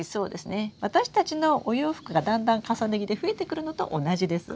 私たちのお洋服がだんだん重ね着で増えてくるのと同じです。